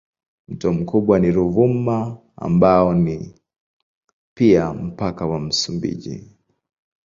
Mto mkubwa ni Ruvuma ambao ni pia mpaka wa Msumbiji.